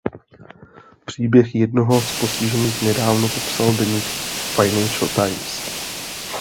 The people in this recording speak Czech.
Příběh jednoho z postižených nedávno popsal deník Financial Times.